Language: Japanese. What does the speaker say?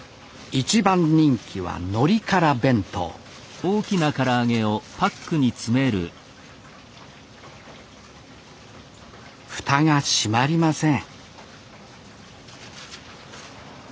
一番人気はのりカラ弁当蓋が閉まりません